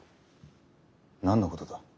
何のことだ？